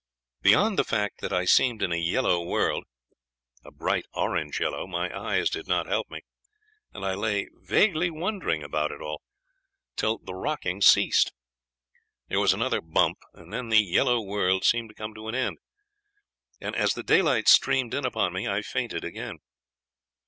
Beyond the fact that I seemed in a yellow world a bright orange yellow my eyes did not help me, and I lay vaguely wondering about it all, till the rocking ceased. There was another bump, and then the yellow world seemed to come to an end; and as the daylight streamed in upon me I fainted again.